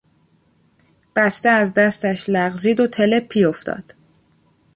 بسته از دستش لغزید و تلپی افتاد.